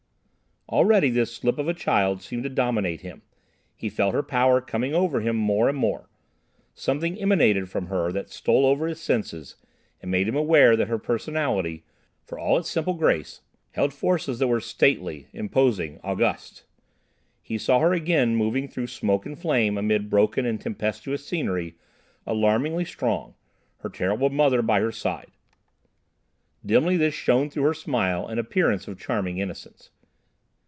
Already this slip of a child seemed to dominate him; he felt her power coming over him more and more; something emanated from her that stole over his senses and made him aware that her personality, for all its simple grace, held forces that were stately, imposing, august. He saw her again moving through smoke and flame amid broken and tempestuous scenery, alarmingly strong, her terrible mother by her side. Dimly this shone through her smile and appearance of charming innocence.